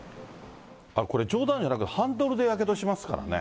これ、冗談じゃなく、ハンドルでやけどしますからね。